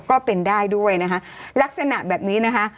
ก็เป็นได้ด้วยนะคะลักษณะแบบนี้นะคะ